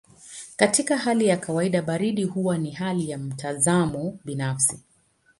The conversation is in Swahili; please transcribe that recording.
Katika hali ya kawaida baridi huwa ni hali ya mtazamo binafsi.